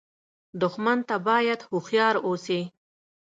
دښمن ته باید هوښیار اوسې